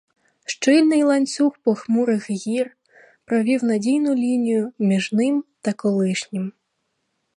Щільний ланцюг похмурих гір провів надійну лінію між ним та колишнім.